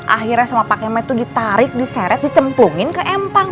akhirnya sama pak kemet tuh ditarik diseret dicempungin ke empang